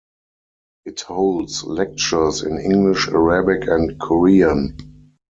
It holds lectures in English, Arabic, and Korean.